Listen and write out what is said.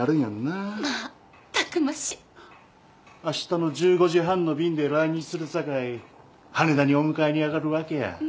あしたの１５時半の便で来日するさかい羽田にお迎えに上がるわけや。